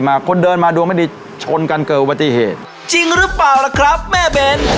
คนเดินมาดวงไม่ดีชนกันเกิดอุบัติเหตุจริงหรือเปล่าล่ะครับแม่เบน